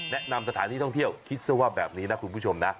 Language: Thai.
แนะนำสถานที่ท่องเที่ยวคิดซะว่าแบบนี้นะคุณผู้ชมนะ